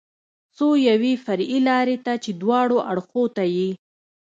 څو یوې فرعي لارې ته چې دواړو اړخو ته یې.